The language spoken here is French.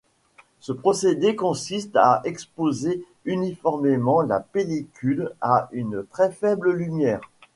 Ce procédé consiste à exposer uniformément la pellicule à une très faible lumière.